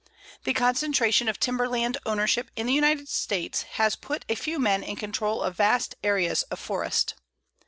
The concentration of timberland ownership in the United States has put a few men in control of vast areas of forest.